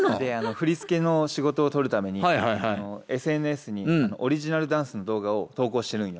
振り付けの仕事を取るためにＳＮＳにオリジナルダンスの動画を投稿してるんよ。